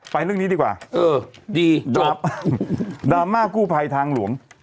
ไปเรื่องนี้ดีกว่าดราม่ากู้ภัยทางหลวง